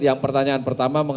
yang pertanyaan pertama